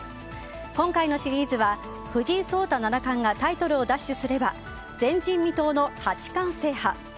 今回のシリーズは藤井聡太七冠がタイトルを奪取すれば前人未到の八冠制覇。